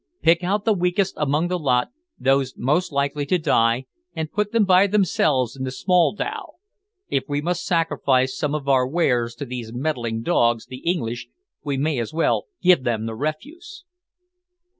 Pick out the weakest among the lot, those most likely to die, and put them by themselves in the small dhow. If we must sacrifice some of our wares to these meddling dogs the English, we may as well give them the refuse."